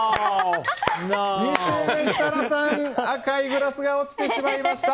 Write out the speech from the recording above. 設楽さん、赤いグラスが落ちてしまいました。